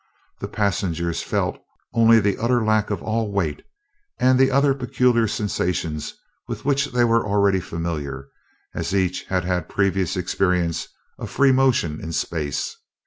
The passengers felt only the utter lack of all weight and the other peculiar sensations with which they were already familiar, as each had had previous experience of free motion in space.